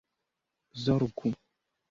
zorgu